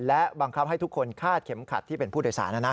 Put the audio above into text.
และบังคับให้ทุกคนคาดเข็มขัดที่เป็นผู้โดยสารนะนะ